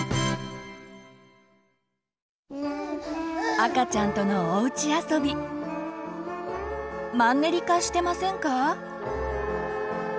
赤ちゃんとのおうちあそびマンネリ化してませんか？